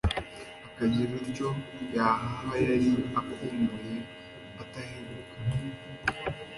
akagira utwo yahaha yari akumbuye ataherukaga